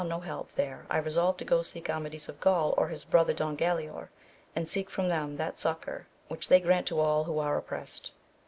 no help there I resolved to go seek Amadis of Gaul or his brother Don Galaor, and seek from them that succour whiclv 230 AMADIS OF GAUL. they grant to all who are oppressed.